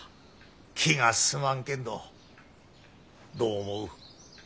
気が進まんけんどどう思う？